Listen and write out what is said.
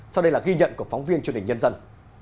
sau đây là ghi nhận của phóng viên truyền hình nhân dân